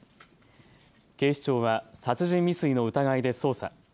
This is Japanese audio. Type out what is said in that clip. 警視庁は殺人未遂の疑いで捜査。